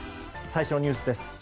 最初のニュースです。